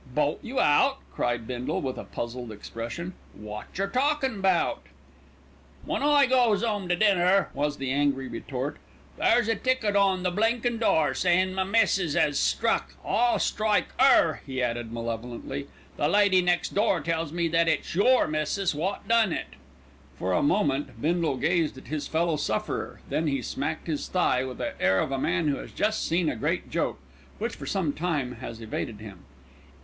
"Bolt you out!" cried Bindle, with a puzzled expression. "Wotjer talkin' about?" "When I goes 'ome to dinner," was the angry retort, "there's a ticket on the blinkin' door sayin' my missis 'as struck. I'll strike 'er!" he added malevolently. "The lady next door tells me that it's your missis wot done it." For a moment Bindle gazed at his fellow sufferer, then he smacked his thigh with the air of a man who has just seen a great joke, which for some time has evaded him.